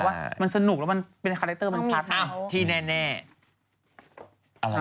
เพราะว่ามันสนุกแล้วมันเป็นคาแรคเตอร์มันชัด